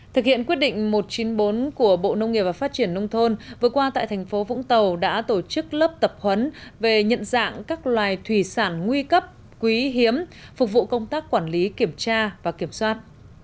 thực hiện quyết định một trăm chín mươi bốn của bộ nông nghiệp và phát triển nông thôn vừa qua tại thành phố vũng tàu đã tổ chức lớp tập huấn về nhận dạng các loài thủy sản nguy cấp quý hiếm phục vụ công tác quản lý kiểm tra và kiểm soát